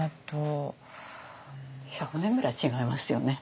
１００年ぐらい違いますよね